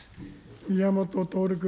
宮本徹君。